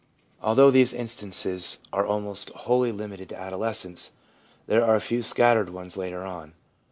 Although these instances are almost wholly limited to adolescence, there are a few scattered ones later on.